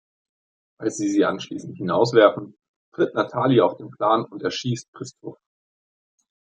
Als sie sie anschließend hinauswerfen, tritt Nathalie auf den Plan und erschießt Christophe.